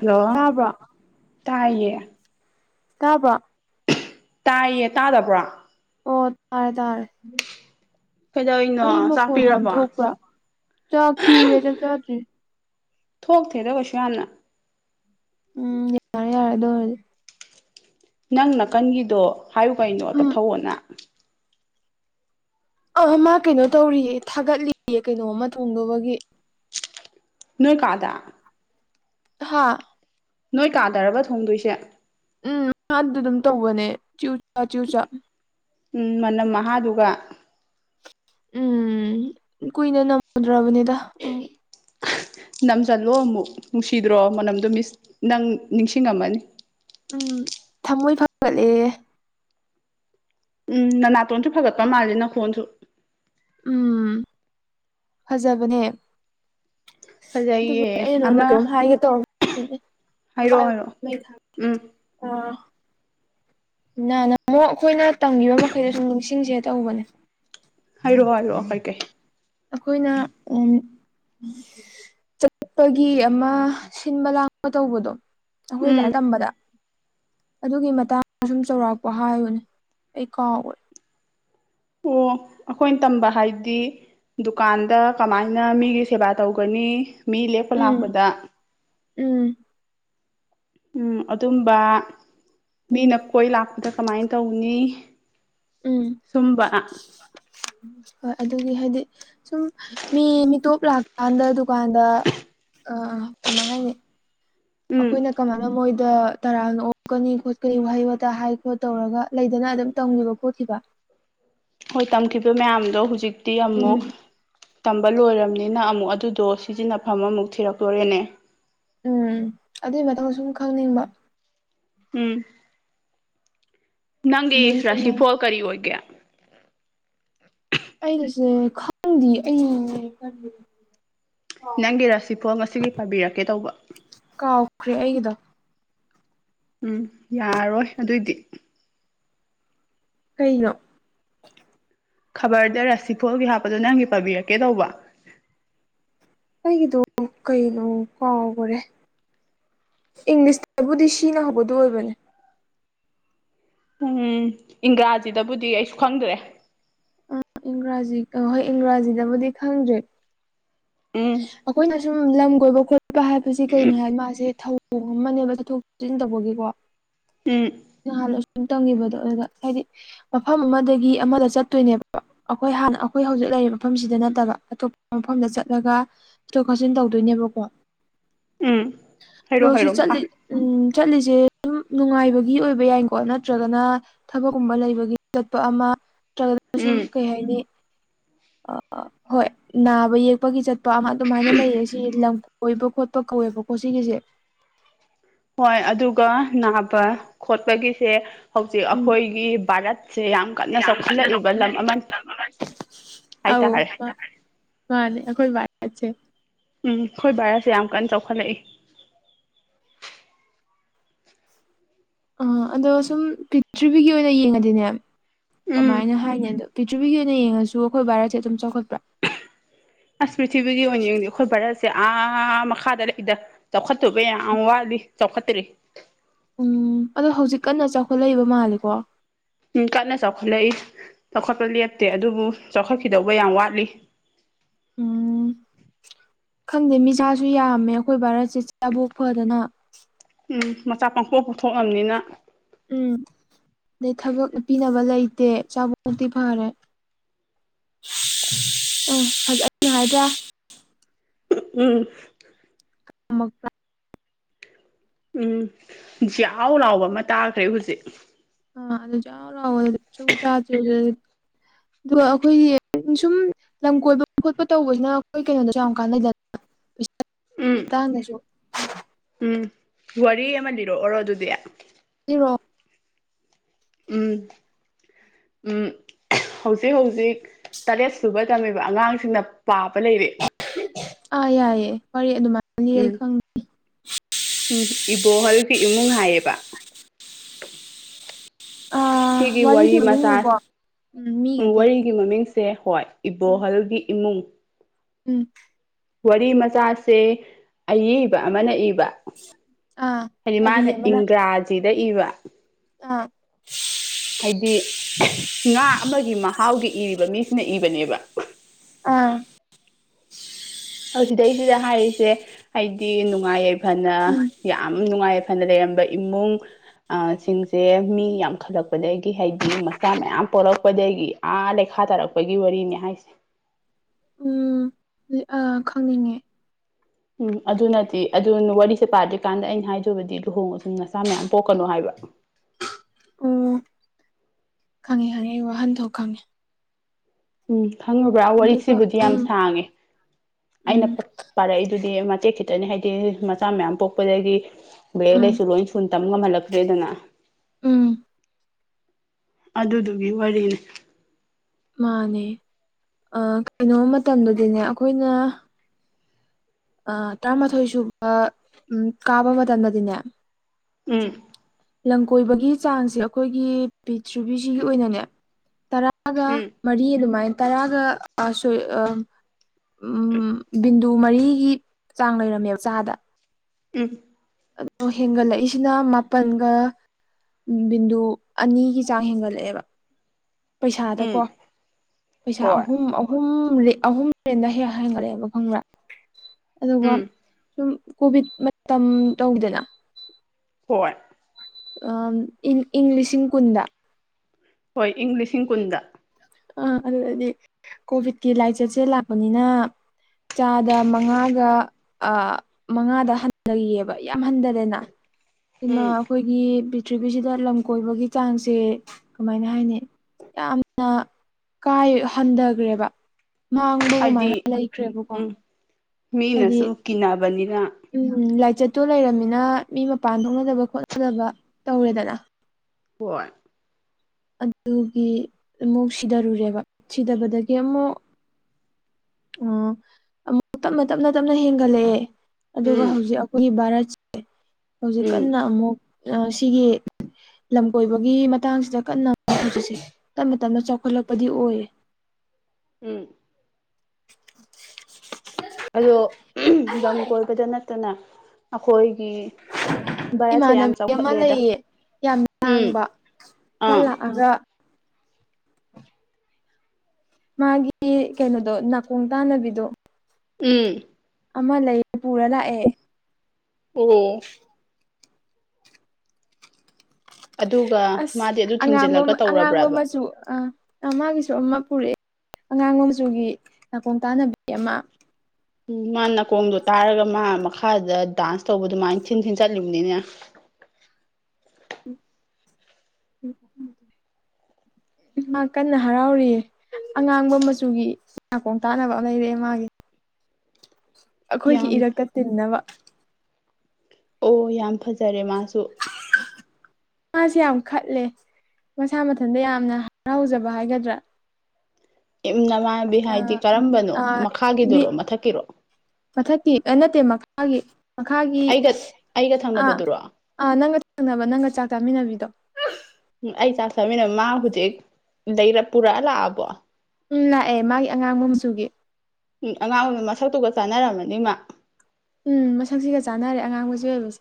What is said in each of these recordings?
hello ꯇꯥꯕ꯭ꯔꯣ ꯇꯥꯏꯌꯦ ꯇꯥꯕ꯭ꯔꯣ ꯇꯥꯏꯌꯦ ꯇꯥꯗꯕ꯭ꯔꯣ ꯑꯣ ꯇꯥꯔꯦ ꯇꯥꯔꯦ ꯀꯩꯗꯧꯔꯤꯅꯣ ꯑꯩ ꯆꯥꯛ ꯃꯈꯣꯟ ꯌꯥꯝ ꯄꯤꯔꯕꯣ ꯊꯣꯛꯄ꯭ꯔꯥ ꯆꯥꯛ ꯄꯤꯔꯦ ꯆꯥꯛ ꯆꯥꯥꯗ꯭ꯔꯤ ꯊꯣꯛꯇꯦꯗ ꯀꯩꯁꯨ ꯌꯥꯝꯅ ꯎꯝ ꯌꯥꯔꯦ ꯌꯥꯔꯦ ꯑꯗꯨ ꯑꯣꯏꯔꯗꯤ ꯅꯪ ꯅꯥꯀꯟꯒꯤꯗꯣ ꯍꯥꯏꯌꯨ ꯀꯩꯅꯣ ꯎꯝ ꯇꯞꯊꯑꯣꯅ ꯑꯥ ꯃꯥ ꯀꯩꯅꯣ ꯇꯧꯔꯤꯌꯦ ꯊꯥꯒꯠꯂꯤꯌꯦ ꯀꯩꯅꯣ ꯑꯃꯥ ꯊꯣꯡꯗꯣꯕꯒꯤ ꯅꯣꯏ ꯀꯥꯗ ꯍꯥꯥ ꯅꯣꯏ ꯀꯥꯗ ꯔꯥꯕ ꯊꯣꯡꯗꯣꯏꯁꯦ ꯎꯝ ꯃꯥꯗꯨ ꯑꯗꯨꯝ ꯇꯧꯕꯅꯦ ꯆꯨ ꯆꯥ ꯆꯨ ꯆꯥ ꯎꯝ ꯃꯅꯝ ꯃꯍꯥꯗꯨꯒ ꯎꯝ ꯀꯨꯏꯅ ꯅꯝꯃꯨꯗ꯭ꯔꯕꯅꯤꯗ ꯅꯝꯁꯜꯂꯣ ꯑꯃꯨꯛ ꯅꯨꯡꯁꯤꯗ꯭ꯔꯣ ꯃꯅꯝꯗꯣ ꯃꯤꯁ ꯅꯪ ꯅꯤꯡꯁꯤꯡꯉꯝꯃꯅꯤ ꯎꯝ ꯊꯃꯣꯏ ꯐꯒꯠꯂꯦꯌꯦ ꯎꯝ ꯅꯅꯥꯇꯣꯟꯁꯨ ꯐꯒꯠꯄ ꯃꯥꯜꯂꯤ ꯅꯈꯣꯟꯁꯨ ꯎꯝ ꯐꯖꯕꯅꯦ ꯐꯖꯩꯌꯦ ꯑꯗꯨꯕꯨꯔꯣ ꯑꯩꯅ ꯅꯉꯣꯟꯗ ꯀꯩꯅꯣꯝ ꯍꯥꯏꯒꯦ ꯇꯧꯔꯝꯕꯅꯤꯅꯦ ꯍꯥꯏꯔꯣ ꯍꯥꯏꯔꯣ ꯎꯝ ꯑꯣ ꯅꯍꯥꯟꯃꯨꯛ ꯑꯩꯈꯣꯏꯅ ꯇꯝꯒꯤꯕ ꯃꯈꯩꯗꯣ ꯁꯨꯝ ꯅꯤꯡꯁꯤꯡꯁꯦ ꯇꯧꯕꯅꯦ ꯍꯥꯏꯔꯛꯑꯣ ꯍꯥꯏꯔꯛꯑꯣ ꯀꯩ ꯀꯩ ꯑꯩꯈꯣꯏꯅ ꯎꯝ ꯆꯠꯄꯒꯤ ꯑꯃ ꯁꯤꯟꯕ ꯂꯥꯡꯕ ꯇꯧꯕꯗꯣ ꯑꯩꯈꯣꯏ ꯎꯝ ꯂꯥꯏꯔꯤꯛ ꯇꯝꯕꯗ ꯑꯗꯨꯒꯤ ꯃꯇꯥꯡꯗ ꯁꯨꯝ ꯆꯥꯎꯔꯥꯛꯄ ꯍꯥꯏꯌꯣꯅꯦ ꯑꯩ ꯀꯥꯎꯒꯔꯦ ꯑꯣ ꯑꯈꯣꯏꯅ ꯇꯝꯕ ꯍꯥꯏꯗꯤ ꯗꯨꯀꯥꯟꯗ ꯀꯃꯥꯏꯅ ꯃꯤꯒꯤ ꯁꯦꯕꯥ ꯇꯧꯒꯅꯤ ꯃꯤ ꯂꯦꯛꯄ ꯎꯝ ꯂꯥꯛꯄꯗ ꯎꯝ ꯎꯝ ꯑꯗꯨꯝꯕ ꯎꯝ ꯃꯤꯅ ꯀꯣꯏ ꯂꯥꯛꯄꯗ ꯀꯃꯥꯏ ꯇꯧꯅꯤ ꯎꯝ ꯁꯨꯝꯕ ꯍꯣꯏ ꯑꯗꯨꯒꯤ ꯍꯥꯏꯗꯤ ꯁꯨꯝ ꯃꯤ ꯃꯤꯇꯣꯞ ꯂꯥꯛꯀꯥꯟꯗ ꯗꯨꯀꯥꯟꯗ ꯑ ꯀꯃꯥꯏ ꯍꯥꯏꯅꯤ ꯎꯝ ꯑꯈꯣꯏꯅ ꯀꯃꯥꯏꯅ ꯃꯣꯏꯗ ꯇꯔꯥꯝꯅ ꯑꯣꯛꯀꯅꯤ ꯈꯣꯠꯀꯅꯤ ꯋꯥꯍꯩ ꯋꯇꯥ ꯍꯥꯏ ꯈꯣꯠ ꯇꯧꯔꯒ ꯂꯩꯗꯅ ꯑꯗꯨꯝ ꯇꯝꯒꯤꯕ ꯈꯣꯠꯈꯤꯕ ꯍꯣꯏ ꯇꯝꯈꯤꯕ ꯃꯌꯥꯝꯗꯣ ꯍꯧꯖꯤꯛꯇꯤ ꯎꯝ ꯑꯃꯨꯛ ꯇꯝ ꯂꯣꯏꯔꯕꯅꯤꯅ ꯑꯃꯨꯛ ꯑꯗꯨꯗꯣ ꯁꯤꯖꯤꯟꯅꯐꯝ ꯑꯃꯨꯛ ꯊꯤꯔꯛꯇꯣꯔꯦꯅꯦ ꯎꯝ ꯑꯗꯨꯏ ꯃꯊꯪ ꯁꯨꯝ ꯈꯪꯅꯤꯡꯕ ꯎꯝ ꯅꯪꯒꯤ ꯀꯃꯥꯏ ꯀꯃꯥꯏ ꯔꯁꯤꯐꯣꯜ ꯀꯔꯤ ꯑꯣꯏꯒꯦ ꯑꯩꯩꯁꯨꯅꯦ ꯈꯪꯗꯤꯌꯦ ꯑꯩꯅꯦ ꯈꯟꯕꯒꯤ ꯅꯪꯒꯤ ꯔꯁꯤꯐꯣꯜ ꯉꯁꯤꯒꯤ ꯄꯥꯕꯤꯔꯛꯀꯦ ꯇꯧꯕ ꯀꯥꯎꯈ꯭ꯔꯦ ꯑꯩꯒꯤꯗꯣ ꯎꯝ ꯌꯥꯔꯣꯏ ꯑꯗꯨꯏꯗꯤ ꯀꯩꯅꯣ ꯈꯕꯔꯗ ꯔꯁꯤꯐꯣꯜꯒꯤ ꯍꯥꯞꯄꯗꯣ ꯅꯪꯒꯤ ꯄꯥꯕꯤꯔꯛꯀꯦ ꯇꯧꯕ ꯑꯩꯒꯤꯗꯣ ꯀꯩꯅꯣ ꯀꯥꯎꯒꯔꯦ ꯏꯪꯂꯤꯁꯇꯕꯨꯗꯤ ꯁꯤꯅ ꯍꯧꯕꯗꯨ ꯑꯣꯏꯕꯅꯦ ꯍꯝꯎꯝ ꯏꯪꯒ꯭ꯔꯥꯖꯤꯗꯕꯨꯗꯤ ꯑꯩꯁꯨ ꯈꯪꯗ꯭ꯔꯦ ꯑ ꯏꯪꯒ꯭ꯔꯥꯖꯤ ꯍꯣꯏ ꯏꯪꯒ꯭ꯔꯥꯖꯤꯗꯕꯨꯗꯤ ꯈꯪꯗ꯭ꯔꯦ ꯎꯝ ꯑꯩꯈꯣꯏꯅ ꯁꯨꯝ ꯂꯝ ꯀꯣꯏꯕ ꯈꯣꯠꯄ ꯍꯥꯏꯕꯁꯤ ꯀꯩꯅꯣ ꯍꯥꯏ ꯃꯥꯁꯦ ꯊꯧ ꯑꯣꯡ ꯑꯃꯅꯦꯕ ꯆꯠꯊꯣꯛ ꯆꯠꯁꯤꯟ ꯇꯧꯕꯒꯤꯀꯣ ꯎꯝ ꯅꯍꯥꯟ ꯑꯁꯨꯝ ꯇꯪꯒꯤꯕꯗꯣ ꯑꯣꯏꯔꯒ ꯍꯥꯏꯗꯤ ꯃꯐꯝ ꯑꯃꯗꯒꯤ ꯑꯃꯗ ꯆꯠꯇꯣꯏꯅꯦꯕ ꯑꯈꯣꯏ ꯍꯥꯟꯅ ꯑꯈꯣꯏ ꯍꯧꯖꯤꯛ ꯂꯩꯔꯤꯕ ꯃꯐꯝꯁꯤꯗ ꯅꯠꯇꯕ ꯑꯇꯣꯞꯄ ꯃꯐꯝꯗ ꯆꯠ ꯂꯒ ꯊꯣꯛ ꯀꯥꯁꯤꯟ ꯇꯧꯗꯣꯏꯅꯦꯕꯀꯣ ꯎꯝ ꯑꯗꯣ ꯍꯥꯏꯔꯣ ꯁꯤ ꯍꯥꯏꯔꯣ ꯆꯠꯂꯤ ꯃꯈꯥ ꯎꯝ ꯆꯠꯂꯤꯁꯦ [unintelligible] ꯎꯝ ꯅꯨꯡꯉꯥꯏꯕꯒꯤ ꯑꯣꯏꯕ ꯌꯥꯏꯀꯣ ꯅꯠꯇ꯭ꯔꯥꯒꯅ ꯊꯕꯛꯀꯨꯝꯕ ꯂꯩꯕꯒꯤ ꯆꯠꯄ ꯑꯃ [unintelligible] ꯁꯨꯝ ꯎꯝ ꯀꯩ ꯍꯥꯏꯅꯤ ꯑꯥ ꯑꯥ ꯍꯣꯏ ꯅꯥꯕ ꯌꯦꯛ ꯄꯒꯤ ꯆꯠꯄ ꯑꯃ ꯑꯗꯨꯃꯥꯏꯅ ꯂꯩꯌꯦ ꯁꯤ ꯂꯝ ꯀꯣꯏꯕ ꯈꯣꯠꯄ ꯀꯧꯋꯦꯕꯀꯣ ꯁꯤꯒꯤꯁꯦ ꯍꯣꯏ ꯑꯗꯨꯒꯥ ꯅꯥꯕ ꯈꯣꯠꯄꯒꯤꯁꯦ ꯍꯧꯖꯤꯛ ꯑꯈꯣꯏꯒꯤ ꯚꯥꯔꯠ ꯁꯦ ꯌꯥꯝ ꯏꯔꯥꯡ ꯀꯟꯅ ꯆꯥꯎꯈꯠꯂꯛꯏꯕ ꯂꯝ ꯑꯃꯅꯤ ꯇꯧꯈꯠꯂꯛꯏꯕ [inaudible] ꯑꯧ ꯍꯥꯏꯇꯥꯔꯦ ꯍꯣꯏ ꯃꯥꯅꯦ ꯑꯈꯣꯏ ꯕꯥꯏ [unintelligible] ꯆꯦ ꯎꯝ ꯑꯈꯣꯏ ꯚꯥꯔꯠꯁꯦ ꯌꯥꯝ ꯀꯟꯅ ꯆꯥꯎꯈꯠꯂꯛꯏ ꯑꯥ ꯑꯗꯣ ꯁꯨꯝ ꯄ꯭ꯔꯤꯊꯤꯕꯤꯒꯤ ꯑꯣꯏꯅ ꯌꯦꯡꯉꯗꯤꯅꯦ ꯎꯝ ꯀꯃꯥꯏꯅ ꯍꯥꯏꯅꯤ ꯑꯗꯣ ꯄ꯭ꯔꯤꯊꯤꯕꯤꯒꯤ ꯑꯣꯏꯅ ꯌꯦꯉꯁꯨ ꯑꯈꯣꯏ ꯚꯥꯔꯠꯁꯦ ꯑꯗꯨꯝ ꯆꯥꯎꯈꯠꯄ꯭ꯔꯥ ꯑꯁ ꯄ꯭ꯔꯤꯊꯤꯕꯤꯒꯤ ꯑꯣꯏꯅ ꯌꯦꯡꯉꯗꯤ ꯑꯈꯣꯏ ꯚꯥꯔꯠꯁꯦ ꯑꯥ ꯃꯈꯥꯗ ꯂꯩꯗ ꯆꯥꯎꯈꯠꯇꯣꯏꯕ ꯌꯥꯝ ꯋꯥꯠꯂꯤ ꯆꯥꯎꯈꯠꯇ꯭ꯔꯤ ꯎꯝ ꯑꯗꯣ ꯍꯧꯖꯤꯛ ꯀꯟꯅ ꯆꯥꯎꯈꯠꯂꯛꯏꯕ ꯃꯥꯜꯂꯦꯀꯣ ꯎꯝ ꯀꯟꯅ ꯆꯥꯎꯈꯠꯂꯛꯏ ꯆꯥꯎꯈꯠꯄ ꯂꯦꯞꯇꯦ ꯑꯗꯨꯕꯨ ꯆꯥꯎꯈꯠꯈꯤꯗꯧꯕ ꯌꯥꯝ ꯋꯥꯠꯂꯤ ꯎꯝ ꯈꯪꯗꯦ ꯃꯤꯁꯥꯁꯨ ꯌꯥꯝꯃꯦ ꯑꯈꯣꯏ ꯚꯥꯔꯠꯁꯦ ꯆꯥꯕꯣꯛ ꯐꯗꯅ ꯎꯝ ꯃꯆꯥ ꯄꯥꯡꯊꯣꯛ ꯄꯨꯊꯣꯛꯅꯝꯅꯤꯅ ꯎꯝ ꯑꯗꯩ ꯊꯕꯛ ꯄꯤꯅꯕ ꯂꯩꯇꯦ ꯆꯥꯕꯣꯛꯇꯤ ꯐꯥꯔꯦ ꯑꯥ ꯍꯧꯖꯤꯛ ꯑꯩꯅ ꯍꯥꯏꯗ꯭ꯔꯥ ꯎꯝ ꯃꯛꯄ꯭ꯔꯥ ꯎꯝ ꯖ꯭ꯌꯥꯎ ꯂꯥꯎꯕ ꯑꯃ ꯇꯥꯈ꯭ꯔꯦ ꯍꯨꯖꯤꯛ ꯑꯥ ꯑꯗꯨ ꯖꯥꯎ ꯂꯥꯎꯋꯦ ꯆꯨꯖꯥ [unintelligible] ꯗꯨꯔꯣ ꯑꯈꯣꯏꯒꯤ ꯁꯨꯝ ꯂꯝ ꯀꯣꯏꯕ ꯈꯣꯠꯄ ꯇꯧꯕꯁꯤꯅ ꯑꯈꯣꯏ ꯀꯩꯅꯣꯗꯁꯨ ꯌꯥꯝ ꯀꯥꯟꯅꯩꯗꯟ ꯎꯝ [unintelligible] ꯇꯥꯡꯗꯁꯨ ꯎꯝ ꯋꯥꯔꯤ ꯑꯃ ꯂꯤꯔꯛꯑꯣꯔꯣ ꯑꯗꯨꯗꯤ ꯂꯤꯔꯣ ꯎꯝ ꯎꯝ ꯍꯧꯖꯤꯛ ꯍꯧꯖꯤꯛ ꯇꯔꯦꯠ ꯁꯨꯕ ꯇꯝꯃꯤꯕ ꯑꯉꯥꯡꯁꯤꯡꯅ ꯄꯥꯕ ꯂꯩꯔꯤꯛ ꯑꯥ ꯌꯥꯏꯌꯦ ꯋꯥꯔꯤ ꯑꯗꯨꯃꯥꯏꯅ ꯂꯤꯔꯥꯗꯤ ꯎꯝ ꯈꯪ ꯎꯝ ꯏꯕꯣꯍꯜꯒꯤ ꯏꯃꯨꯡ ꯍꯥꯏꯌꯦꯕ ꯑꯥ ꯁꯤꯒꯤ ꯋꯥꯔꯤ ꯋꯥꯔꯤꯒꯤ ꯃꯆꯥ ꯃꯃꯤꯡꯅꯤꯀꯣ ꯃꯤ ꯎꯝ ꯅꯠꯇꯦ ꯋꯥꯔꯤ ꯒꯤ ꯃꯥꯃꯤꯡꯁꯦ ꯍꯣꯏ ꯎꯝ ꯏꯕꯣꯍꯜꯒꯤ ꯏꯃꯨꯡ ꯎꯝ ꯋꯥꯔꯤ ꯃꯆꯥꯁꯦ ꯑꯏꯕ ꯑꯃꯅ ꯏꯕ ꯑꯥ ꯍꯥꯏꯗꯤ ꯃꯥꯅ ꯀꯕꯤ ꯑꯃꯅ ꯏꯪꯒ꯭ꯔꯥꯖꯤꯗꯥ ꯏꯕ ꯑꯥ ꯍꯥꯏꯗꯤ ꯉꯥ ꯑꯃꯒꯤ ꯃꯍꯥꯎꯒꯤ ꯏꯔꯤꯕ ꯃꯤꯁꯤꯅ ꯏꯕꯅꯦꯕ ꯑꯥ ꯑꯗꯤꯗꯩꯁꯤꯗ ꯍꯥꯏꯔꯤꯁꯦ ꯍꯥꯏꯗꯤ ꯅꯨꯡꯉꯥꯏ ꯌꯥꯏꯐꯅ ꯎꯝ ꯌꯥꯝ ꯅꯨꯡꯉꯥꯏ ꯌꯥꯏꯐꯅ ꯂꯩꯔꯝꯕ ꯏꯃꯨꯡ ꯁꯤꯡꯁꯦ ꯃꯤ ꯌꯥꯝꯈꯠꯂꯛꯄꯗꯒꯤ ꯍꯥꯏꯗꯤ ꯃꯆꯥ ꯃꯌꯥꯝ ꯄꯣꯛꯂꯛꯄꯗꯒꯤ ꯑꯥ ꯂꯩꯈꯥ ꯇꯥꯔꯛꯄꯒꯤ ꯋꯥꯔꯤꯅꯤ ꯍꯥꯏꯁꯦ ꯎꯝ ꯍꯨꯖꯤꯛ ꯑꯥ ꯈꯪꯉꯤꯅꯦ ꯎꯝ ꯑꯗꯨꯅꯗꯤ ꯑꯗꯨ ꯋꯥꯔꯤꯁꯦ ꯄꯥꯗ꯭ꯔꯤꯀꯥꯟꯗ ꯑꯩꯅ ꯍꯥꯏꯗꯨꯕꯗꯤ ꯂꯨꯍꯣꯡꯉꯁꯨ ꯅꯆꯥ ꯃꯌꯥꯝ ꯄꯣꯛꯀꯅꯣ ꯍꯥꯏꯕ ꯑꯣ ꯈꯪꯉꯦ ꯈꯪꯉꯦ ꯑꯩ ꯋꯥꯍꯟꯊꯣꯛ ꯈꯪꯉꯦ ꯎꯝ ꯈꯪꯉꯨꯕ꯭ꯔꯥ ꯑꯗꯨꯒ ꯋꯥꯔꯤꯁꯤꯕꯨꯗꯤ ꯌꯥꯝ ꯎꯝ ꯁꯥꯡꯉꯦ ꯎꯝ ꯑꯩꯅ ꯄꯥꯔꯛꯏꯗꯨꯗꯤ ꯃꯇꯦꯛ ꯈꯤꯇꯅꯤ ꯍꯥꯏꯗꯤ ꯃꯆꯥ ꯃꯌꯥꯝ ꯄꯣꯛꯄꯗꯒꯤ ꯂꯥꯏꯔꯤꯛ ꯎꯝ ꯂꯩꯁꯨ ꯂꯣꯏ ꯐꯨꯟ ꯇꯝ ꯉꯝꯍꯜꯂꯛꯇ꯭ꯔꯦꯗꯅ ꯎꯝ ꯑꯗꯨꯗꯨꯒꯤ ꯋꯥꯔꯤꯅꯤ ꯃꯥꯅꯦ ꯑꯥ ꯀꯩꯅꯣ ꯃꯇꯝꯗꯗꯤꯅꯦ ꯑꯈꯣꯏꯅ ꯑꯥ ꯇꯔꯥꯃꯊꯣꯏ ꯁꯨꯕ ꯀꯥꯕ ꯃꯇꯝꯗꯗꯤꯅꯦ ꯎꯝ ꯂꯝꯀꯣꯏꯕꯒꯤ ꯆꯥꯡꯁꯦ ꯑꯈꯣꯏꯒꯤ ꯄ꯭ꯔꯤꯊꯤꯕꯤꯁꯤꯒꯤ ꯑꯣꯏꯅꯅꯦ ꯇꯔꯥꯒ ꯎꯝ ꯃꯔꯤ ꯑꯗꯨꯃꯥꯏꯅ ꯇꯔꯥꯒ ꯁꯣꯏ ꯑꯥ ꯎꯝ ꯕꯤꯟꯗꯨ ꯃꯔꯤꯒꯤ ꯆꯥꯡ ꯂꯩꯔꯝꯃꯦꯕ ꯆꯥꯗ ꯎꯝ ꯑꯗꯣ ꯍꯦꯟꯒꯠꯂꯛꯏꯁꯤꯅ ꯃꯥꯄꯟꯒ ꯕꯤꯟꯗꯨ ꯑꯅꯤꯒꯤ ꯆꯥꯡ ꯍꯦꯟꯒꯠꯂꯛꯑꯦꯕ ꯎꯝ ꯄꯩꯁꯥꯗꯀꯣ ꯄꯩꯁꯥ ꯍꯣꯏ ꯑꯍꯨꯝ ꯑ ꯑꯍꯨꯝ ꯔꯦ ꯑꯍꯨꯝꯔꯦꯗ ꯍꯦ ꯍꯦꯟꯒꯠꯂꯦꯕ ꯈꯪꯕ꯭ꯔꯥ ꯑꯗꯨꯒ ꯎꯝ ꯁꯨꯝ ꯀꯣꯚꯤꯠ ꯃꯇꯝ ꯇꯧꯗꯅ ꯍꯣꯏ ꯑꯥ ꯏꯪ ꯏꯪ ꯂꯤꯁꯤꯡ ꯀꯨꯟꯗ ꯍꯣꯏ ꯏꯪ ꯂꯤꯁꯤꯡ ꯀꯨꯟꯗ ꯑꯥ ꯑꯗꯨꯗꯗꯤ ꯀꯣꯚꯤꯠꯀꯤ ꯂꯥꯏꯆꯠꯁꯦ ꯂꯥꯛꯄꯅꯤꯅ ꯆꯥꯗ ꯃꯉꯥꯒ ꯑꯥ ꯃꯉꯥꯗ ꯍꯟꯗꯒꯤꯌꯦꯕ ꯌꯥꯝ ꯍꯥꯟꯗꯗꯅ ꯑꯗꯨꯅ ꯎꯝ ꯑꯈꯣꯏꯒꯤ ꯄꯤꯊ꯭ꯔꯤꯕꯤꯁꯤꯗ ꯂꯝ ꯀꯣꯏꯕꯒꯤ ꯆꯥꯡꯖꯦ ꯀꯃꯥꯏꯅ ꯍꯥꯏꯅꯤ ꯌꯥꯝꯅ ꯀꯥꯏ ꯍꯟꯗꯒ꯭ꯔꯦꯕ ꯃꯥꯡꯕꯒꯨꯃꯥꯏꯅ ꯍꯥꯏꯗꯤ ꯂꯩꯈ꯭ꯔꯦꯕꯀꯣ ꯎꯝ ꯍꯥꯏꯗꯤ ꯃꯤꯅꯁꯨ ꯀꯤꯅꯕꯅꯤꯅ ꯎꯝ ꯂꯥꯏꯆꯠꯇꯨ ꯂꯩꯔꯕꯝꯃꯤꯅ ꯃꯤ ꯃꯄꯥꯟ ꯊꯣꯛꯅꯗꯕ ꯈꯣꯠꯅꯗꯕ ꯇꯧꯔꯦꯗꯅ ꯍꯣꯏ ꯑꯗꯨꯒꯤ ꯑꯃꯨꯛ ꯁꯤꯗꯔꯨꯔꯦꯕ ꯁꯤꯗꯕꯗꯒꯤ ꯑꯃꯨꯛ ꯑꯣ ꯑꯃꯨꯛ ꯇꯞꯅ ꯇꯞꯅ ꯇꯞꯅ ꯍꯤꯡꯒꯠꯂꯛꯑꯦ ꯑꯗꯨꯒ ꯎꯝ ꯍꯧꯖꯤꯛ ꯑꯈꯣꯏꯒꯤ ꯚꯥꯔꯠ ꯍꯧꯖꯤꯛ ꯎꯝ ꯀꯟꯅ ꯑꯃꯨꯛ ꯑꯥ ꯁꯤꯒꯤ ꯂꯝ ꯀꯣꯏꯕꯒꯤ ꯃꯇꯥꯡꯁꯤꯗ ꯀꯟꯅ ꯍꯧꯖꯤꯛꯁꯦ ꯇꯞꯅ ꯇꯞꯅ ꯆꯥꯎꯈꯠꯂꯛꯄꯗꯤ ꯑꯣꯏꯌꯦ ꯎꯝ [inaudible] ꯑꯗꯣ ꯎꯝ ꯂꯝ ꯀꯣꯏꯕꯗ ꯅꯠꯇꯅ ꯑꯈꯣꯏꯒꯤ ꯚꯥꯔꯠꯁꯦ ꯌꯥꯝ ꯏꯃꯥꯟꯅꯕꯤ ꯑꯃ ꯆꯥꯎꯈꯠꯂꯦꯗ ꯂꯩꯌꯦ ꯌꯥꯝ ꯎꯝ ꯂꯥꯡꯕ ꯃꯥ ꯑꯥ ꯂꯥꯛꯑꯒ ꯃꯥꯒꯤ ꯀꯩꯅꯣꯗꯣ ꯅꯥꯀꯣꯡ ꯇꯥꯟꯅꯕꯤꯗꯣ ꯎꯝ ꯑꯃ ꯂꯩꯔ ꯄꯨꯔ ꯂꯥꯛꯑꯦ ꯑꯣ ꯑꯗꯨꯒ ꯑꯁ ꯃꯥꯗꯤ ꯑꯗꯨ ꯑꯉꯥꯡꯕ ꯊꯤꯡꯖꯤꯜꯂꯒ ꯑꯉꯥꯡꯕ ꯇꯧꯔꯕ꯭ꯔꯕ ꯃꯆꯨ ꯑ ꯑ ꯃꯥꯒꯤꯁꯨ ꯑꯃ ꯄꯨꯔꯛꯑꯦ ꯑꯉꯥꯡꯕ ꯃꯆꯨꯒꯤ ꯅꯥꯀꯣꯡ ꯇꯥꯟꯅꯕꯤ ꯑꯃ ꯎꯝ ꯃꯥ ꯅꯥꯀꯣꯡꯗꯣ ꯇꯥꯔꯒ ꯃꯥ ꯃꯈꯥꯗ ꯗꯥꯟꯁ ꯇꯧꯕ ꯑꯗꯨꯃꯥꯏꯅ ꯊꯤꯟ ꯊꯤꯟ ꯆꯠꯂꯤꯕꯅꯤꯅꯦ ꯃꯥ ꯀꯟꯅ ꯍꯔꯥꯎꯔꯤꯌꯦ ꯑꯉꯥꯡꯕ ꯃꯆꯨꯒꯤ ꯅꯥꯀꯣꯡ ꯇꯥꯅꯕ ꯑꯝ ꯂꯩꯔꯛꯑꯦ ꯃꯥꯒꯤ ꯑꯩꯈꯣꯏꯒꯤ ꯌꯥꯝ ꯏꯔꯛꯇ ꯇꯤꯟꯅꯕ ꯑꯣ ꯌꯥꯝ ꯐꯖꯔꯦ ꯃꯥꯁꯨ ꯃꯥꯁꯤ ꯌꯥꯝ ꯈꯠꯂꯦ ꯃꯁꯥ ꯃꯊꯟꯇ ꯌꯥꯝꯅ ꯍꯔꯥꯎꯖꯕ ꯍꯥꯏꯒꯗ꯭ꯔꯥ ꯏꯝ ꯅꯃꯥꯟꯅꯕꯤ ꯍꯥꯏꯗꯤ ꯀꯔꯝꯕꯅꯣ ꯃꯈꯥꯒꯤꯗꯨꯔꯣ ꯃꯊꯛꯀꯤꯔꯣ ꯃꯊꯛꯇꯤ ꯅꯠꯇꯦ ꯃꯈꯥꯒꯤ ꯃꯈꯥꯒꯤ ꯑꯩꯒ ꯑꯩꯒ ꯑ ꯊꯪꯅꯕꯗꯨꯔꯣ ꯑꯥ ꯅꯪꯒ ꯊꯪꯅꯕ ꯅꯪꯒ ꯆꯥꯛ ꯆꯥꯃꯤꯟꯅꯕꯤꯗꯣ ꯎꯝ ꯑꯩ ꯆꯥꯛ ꯆꯥꯃꯤꯟꯅꯕ ꯃꯥ ꯍꯧꯖꯤꯛ ꯂꯩꯔ ꯄꯨꯔꯛꯑ ꯂꯥꯛꯑꯕꯣ ꯎꯝ ꯂꯥꯛꯑꯦ ꯃꯥꯒꯤ ꯑꯉꯥꯡꯕ ꯃꯆꯨꯒꯤ ꯎꯝ ꯑꯉꯥꯡꯕ ꯃꯁꯛꯇꯨꯒ ꯆꯥꯟꯅꯔꯝꯃꯅꯤ ꯃꯥ ꯎꯝ ꯃꯁꯛꯁꯤꯒ ꯆꯥꯟꯅꯔꯦ ꯑꯉꯥꯡꯕꯁꯤꯒ ꯑꯣꯏꯕꯁꯦ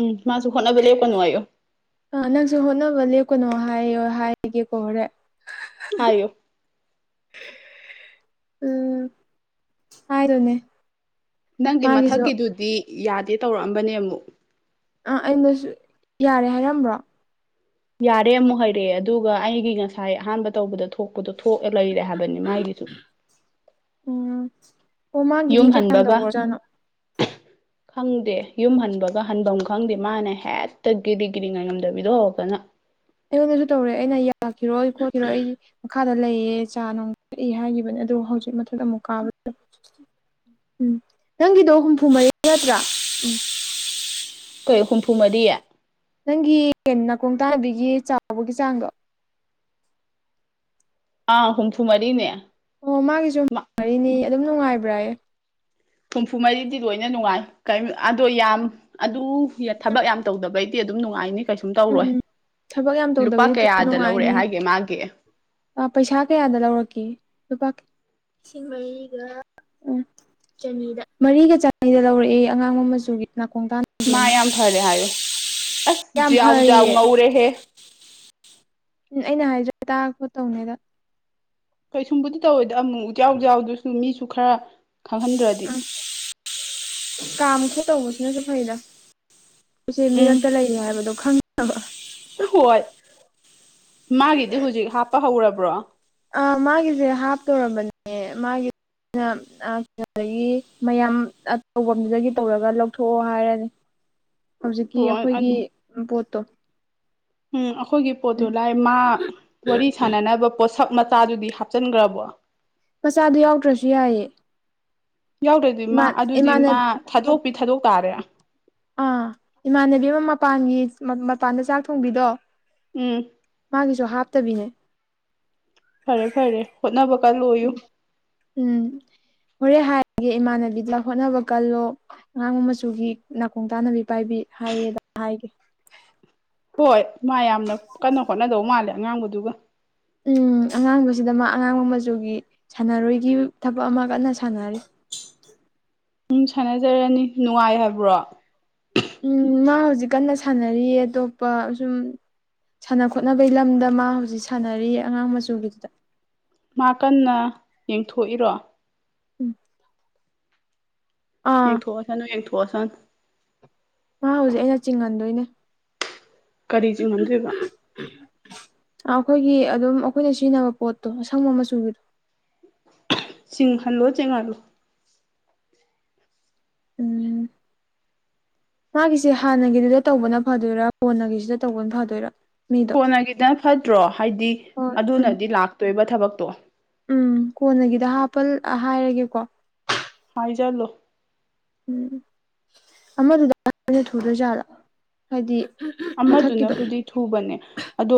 ꯎꯝ ꯃꯥꯁꯨ ꯍꯣꯠꯅꯕ ꯂꯦꯞꯀꯅꯣꯌꯣ ꯑ ꯅꯪꯁꯨ ꯍꯣꯠꯅꯕ ꯂꯦꯞꯀꯅꯣ ꯍꯥꯏꯌꯣ ꯍꯥꯏꯒꯦꯀꯣ ꯍꯣꯔꯦꯟ ꯍꯥꯏꯌꯨ ꯎꯝ ꯍꯥꯏꯗꯣꯏꯅꯦ ꯅꯪꯒꯤ ꯃꯊꯛꯀꯤꯗꯨꯗꯤ ꯌꯥꯗꯦ ꯇꯧꯔꯛꯑꯝꯕꯅꯦ ꯑꯃꯨꯛ ꯑꯥ ꯑꯩꯅꯁꯨ ꯌꯥꯔꯦ ꯍꯥꯏꯔꯛꯑꯝꯕ꯭ꯔꯣ ꯌꯥꯔꯦ ꯑꯃꯨꯛ ꯍꯩꯔꯛꯑꯦ ꯑꯗꯨꯒ ꯑꯩꯒꯤ ꯉꯁꯥꯏ ꯑꯍꯥꯟꯕ ꯇꯧꯕꯗ ꯊꯣꯛꯄꯗꯣ ꯊꯣꯛꯑ ꯂꯩꯔꯦ ꯍꯥꯏꯕꯅꯤ ꯃꯥꯥꯒꯤꯁꯨ ꯎꯝ ꯑꯣ ꯃꯥꯒꯤ ꯌꯨꯝ ꯃꯤ ꯀꯌꯥꯝ ꯍꯟꯕꯒ ꯇꯧꯈ꯭ꯔꯖꯥꯠꯅꯣ ꯈꯪꯗꯦ ꯌꯨꯝ ꯍꯟꯕꯒ ꯍꯟꯕꯝ ꯈꯪꯗꯦ ꯃꯥꯅ ꯍꯦꯛꯇ ꯒꯤꯔꯤ ꯒꯤꯔꯤ ꯉꯥꯏꯉꯝꯗꯕꯤꯗꯣ ꯍꯧꯔꯛꯇꯅ ꯑꯩꯉꯣꯟꯗꯁꯨ ꯇꯧꯔꯦ ꯑꯩꯅ ꯌꯥꯒꯤꯔꯣꯏ ꯈꯣꯠꯈꯤꯔꯣ ꯑꯩ ꯃꯈꯥꯗ ꯂꯩꯌꯦ ꯆꯥ ꯅꯨꯡ ꯊꯛꯏ ꯍꯥꯏꯒꯤꯕꯅꯦ ꯑꯗꯨ ꯍꯧꯖꯤꯛ ꯃꯊꯛꯇ ꯑꯃꯨꯛ ꯀꯥꯕꯗꯨꯗ ꯎꯝ ꯅꯪꯒꯤꯗꯣ ꯍꯨꯝꯐꯨ ꯃꯔꯤ ꯅꯠꯇ꯭ꯔꯥ ꯎꯝ ꯀꯩ ꯍꯨꯝꯐꯨ ꯃꯔꯤ ꯅꯪꯒꯤ ꯅꯥꯀꯣꯡ ꯇꯥꯟꯅꯕꯤꯒꯤ ꯆꯥꯎꯕꯒꯤ ꯆꯥꯡꯗꯣ ꯑꯥ ꯍꯨꯝꯐꯨ ꯃꯔꯤꯅꯦ ꯑꯣ ꯃꯥꯒꯤꯁꯨ ꯃꯔꯤꯅꯦꯌꯦ ꯑꯗꯨꯝ ꯅꯨꯡꯉꯥꯏꯕ꯭ꯔꯥꯌꯦ ꯍꯨꯝꯐꯨ ꯃꯔꯤꯗꯤ ꯂꯣꯏꯅ ꯅꯨꯡꯉꯥꯏ ꯀꯩꯝ ꯑꯗꯣ ꯌꯥꯝ ꯑꯗꯨ ꯊꯕꯛ ꯌꯥꯝ ꯇꯧꯗꯕꯩꯅꯤ ꯇꯤ ꯑꯗꯨꯝ ꯅꯨꯡꯉꯥꯏꯅꯤ ꯀꯩꯁꯨꯝ ꯇꯧꯔꯣꯏ ꯎꯝ ꯊꯕꯛ ꯌꯥꯝ ꯂꯨꯄꯥ ꯀꯌꯥꯗ ꯂꯧꯔꯛꯑꯦ ꯍꯥꯏꯒꯦ ꯃꯥꯒꯤ ꯑ ꯄꯩꯁꯥ ꯀꯌꯥꯗ ꯂꯧꯔꯛꯀꯦ ꯂꯨꯄꯥ ꯂꯤꯁꯤꯡ ꯃꯔꯤꯒ ꯎꯝ ꯆꯅꯤꯗ ꯃꯔꯤꯒ ꯆꯅꯤꯗ ꯂꯧꯔꯛꯑꯦꯌꯦ ꯑꯉꯥꯡꯕ ꯃꯆꯨꯒꯤ ꯅꯥꯀꯣꯡ ꯇꯥꯅ ꯃꯥ ꯌꯥꯝ ꯐꯔꯦ ꯍꯥꯏꯌꯣ ꯑꯁ ꯌꯥꯝ ꯖ꯭ꯌꯥꯎ ꯖ꯭ꯌꯥꯎ ꯐꯔꯤꯌꯦ ꯉꯧꯔꯦꯍꯦ ꯎꯝ ꯑꯩꯅ ꯍꯥꯏꯖꯦ ꯇꯥꯔꯄꯣ ꯇꯧꯅꯦꯗ ꯀꯩꯁꯨꯝꯕꯨꯗꯤ ꯇꯧꯔꯣꯏꯗ ꯑꯃꯨꯛ ꯃꯨꯛ ꯖ꯭ꯌꯥꯎ ꯖ꯭ꯌꯥꯎꯗꯨꯁꯨ ꯃꯤꯁꯨ ꯈꯔ ꯈꯪꯍꯟꯗ꯭ꯔꯗꯤ ꯑꯝ ꯀꯥꯝ ꯈꯣꯠ ꯇꯧꯕꯁꯤꯅꯁꯨ ꯐꯩꯗ ꯑꯩꯁꯦ ꯎꯝ ꯃꯤꯔꯛꯇ ꯂꯩꯔꯤ ꯍꯥꯏꯕꯗꯣ ꯈꯪꯅꯕ ꯍꯣꯏ ꯃꯥꯒꯤꯗꯤ ꯍꯧꯖꯤꯛ ꯍꯥꯞꯄ ꯍꯧꯔꯕ꯭ꯔꯣ ꯑ ꯃꯥꯒꯤꯁꯦ ꯍꯥꯞ ꯇꯧꯔꯝꯕꯅꯦ ꯃꯥꯒꯤ [inaudible] ꯗꯒꯤ ꯃꯌꯥꯝ ꯑꯠꯇꯧꯕꯝꯗꯨꯗꯒꯤ ꯇꯧꯔꯒ ꯂꯧꯊꯣꯛꯑꯣ ꯍꯥꯏꯔꯅꯤ [inaudible] ꯍꯧꯖꯤꯛꯀꯤ ꯍꯣꯏ ꯑꯩꯈꯣꯏꯒꯤ ꯕ‌ꯣꯠꯇꯣ ꯎꯝ ꯑꯩꯈꯣꯏꯒꯤ ꯄꯣꯠꯇꯨ ꯂꯥꯏ ꯃꯥ ꯋꯥꯔꯤ ꯁꯥꯅꯥꯅꯕ ꯄꯣꯠꯁꯛ ꯃꯆꯥꯗꯨꯗꯤ ꯍꯥꯞꯆꯤꯟꯒ꯭ꯔꯕꯣ ꯃꯆꯥꯗꯣ ꯌꯥꯎꯗ꯭ꯔꯁꯨ ꯌꯥꯏꯌ‌ꯦ ꯌꯥꯎꯗ꯭ꯔꯗꯤ ꯃꯥ ꯑꯗꯨꯗꯤ ꯏꯃꯥꯟꯅ ꯃꯥ ꯊꯥꯗꯣꯛꯄꯤ ꯊꯥꯗꯣꯛ ꯇꯥꯔꯦ ꯑꯥ ꯏꯃꯥꯟꯅꯕꯤ ꯑꯃ ꯃꯄꯥꯟꯒꯤ ꯃꯄꯥꯟꯗ ꯆꯥꯛ ꯊꯣꯡꯕꯤꯗꯣ ꯎꯝ ꯃꯥꯒꯤꯁꯨ ꯍꯥꯞꯇꯕꯤꯅꯦ ꯐꯔꯦ ꯐꯔꯦ ꯍꯣꯠꯅꯕ ꯀꯥꯜꯂꯣꯌꯨ ꯎꯝ ꯍꯣꯔꯦꯟ ꯍꯥꯏ ꯒꯦ ꯏꯃꯥꯟꯅꯕꯤ ꯍꯣꯠꯅꯕ ꯀꯜꯂꯣ ꯑꯉꯥꯡꯕ ꯃꯆꯨꯒꯤ ꯅꯥꯀꯣꯡ ꯇꯥꯟꯅꯕꯤ ꯄꯥꯏꯕꯤ ꯍꯥꯏꯌꯦꯗ ꯍꯥꯏꯒꯦ ꯍꯣꯏ ꯃꯥ ꯌꯥꯝꯅ ꯀꯟꯅ ꯍꯣꯠꯅꯗꯧ ꯃꯥꯜꯂꯦ ꯑꯉꯥꯡꯕꯗꯨꯒ ꯎꯝ ꯑꯉꯥꯡꯕꯁꯤꯗ ꯃꯥ ꯑꯉꯥꯡꯕ ꯃꯆꯨꯒꯤ ꯁꯥꯟꯅꯔꯣꯏꯒꯤ ꯊꯕꯛ ꯑꯃꯥ ꯀꯟꯅ ꯁꯥꯟꯅꯔꯤ ꯎꯝ ꯁꯥꯟꯅꯖꯔꯅꯤ ꯅꯨꯡꯉꯥꯏ ꯍꯥꯏꯕ꯭ꯔꯣ ꯎꯝ ꯃꯥ ꯍꯧꯖꯤꯛ ꯀꯟꯅ ꯁꯥꯟꯅꯔꯤꯌꯦ ꯑꯇꯣꯞꯄ ꯁꯨꯝ ꯁꯥꯟꯅ ꯈꯣꯠꯅꯕꯩ ꯂꯝꯗ ꯃꯥ ꯍꯧꯖꯤꯛ ꯁꯥꯟꯅꯔꯤ ꯑꯉꯥꯡ ꯃꯆꯨꯒꯤꯗꯨꯗ ꯃꯥ ꯀꯟꯅ ꯌꯦꯡꯊꯣꯛꯏꯔꯣ ꯎꯝ ꯑꯥ ꯌꯦꯡꯊꯣꯛꯑꯁꯅꯨ ꯌꯦꯡꯊꯣꯛꯑꯁꯅꯨ ꯃꯥ ꯍꯧꯖꯤꯛ ꯑꯩꯅ ꯆꯤꯡꯉꯟꯗꯣꯏꯅꯦ ꯀꯔꯤ ꯆꯤꯡꯉꯟꯗꯨꯏꯕ ꯑꯥ ꯑꯩꯈꯣꯏꯒꯤ ꯑꯗꯨꯝ ꯑꯩꯈꯣꯏꯅ ꯁꯤꯖꯤꯟꯅꯕ ꯄꯣꯠꯇꯣ ꯑꯁꯪꯕ ꯃꯆꯨꯒꯤ ꯆꯤꯡꯍꯜꯂꯣ ꯆꯦꯡꯉꯜꯂꯨ ꯎꯝ ꯃꯥꯒꯤꯁꯦ ꯍꯥꯟꯅꯒꯤꯗꯨꯗ ꯇꯧꯕꯅ ꯐꯗꯣꯏꯔ ꯀ‌ꯣꯟꯅꯒꯤꯁꯤꯗ ꯇꯧꯕꯅ ꯐꯗꯣꯏꯔ ꯀꯣꯟꯅꯒꯤꯗꯅ ꯐꯠꯇ꯭ꯔꯣ ꯍꯥꯏꯗꯤ ꯍꯣꯏ ꯎꯝ ꯑꯗꯨꯅꯗꯤ ꯂꯥꯛꯇꯣꯏꯕ ꯊꯕꯛꯇꯣ ꯎꯝ ꯀꯣꯟꯅꯒꯤꯗ ꯍꯥꯞꯄꯜ ꯑꯥ ꯍꯥꯏꯔꯒꯦꯀꯣ ꯍꯥꯏꯖꯜꯂꯣ ꯎꯝ ꯑꯃꯗꯨꯗ [inaudible] ꯊꯨꯗꯣꯏꯖꯥꯠꯂ ꯍꯥꯏꯗꯤ [unintelligible] ꯑꯃꯗꯨꯅꯕꯨꯗꯤ ꯊꯨꯕꯅꯦ ꯑꯗꯣ